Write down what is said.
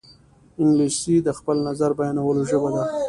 انګلیسي د خپل نظر بیانولو ژبه ده